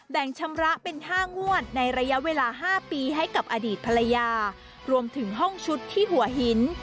ชำระเป็น๕งวดในระยะเวลา๕ปีให้กับอดีตภรรยารวมถึงห้องชุดที่หัวหิน